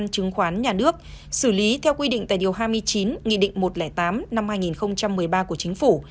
chứng khoán nhà nước xử lý theo quy định tại điều hai mươi chín nghị định một trăm linh tám năm hai nghìn một mươi ba của chính phủ